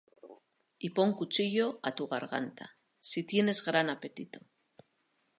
Y pon cuchillo á tu garganta, Si tienes gran apetito.